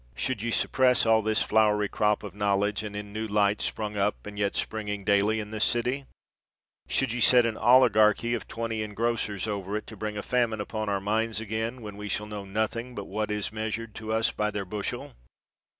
should ye suppress all this flowery crop of knowledge and new light sprung up and yet springing daily in this city % should ye set an oligarchy of twenty engrossers over it, to bring a famine upon our minds again, when we shall know nothing but what is meas ured to us by their bushel